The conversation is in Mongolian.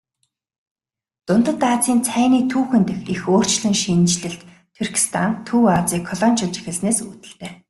Дундад Азийн цайны түүхэн дэх их өөрчлөн шинэчлэлт Туркестан Төв Азийг колоничилж эхэлснээс үүдэлтэй.